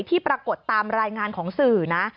ปรากฏตามรายงานของสื่อนะ